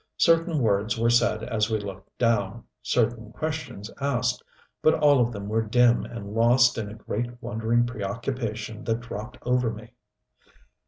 Certain words were said as we looked down, certain questions asked but all of them were dim and lost in a great, wondering preoccupation that dropped over me.